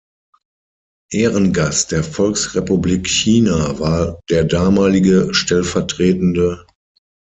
Ehrengast der Volksrepublik China war der damalige stv.